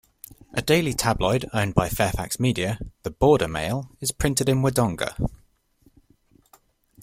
A daily tabloid owned by Fairfax Media, the "Border Mail", is printed in Wodonga.